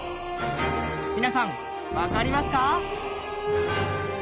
皆さん、分かりますか？